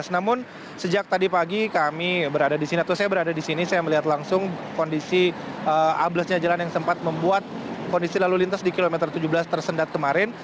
namun sejak tadi pagi kami berada di sini atau saya berada di sini saya melihat langsung kondisi ablesnya jalan yang sempat membuat kondisi lalu lintas di kilometer tujuh belas tersendat kemarin